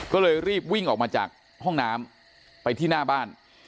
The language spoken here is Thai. ก็เลยรีบวิ่งออกมาจากห้องน้ำไปที่หน้าบ้าน